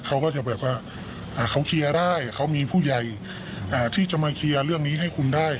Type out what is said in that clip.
เขาก็จะแบบว่าเขาเคลียร์ได้เขามีผู้ใหญ่ที่จะมาเคลียร์เรื่องนี้ให้คุมได้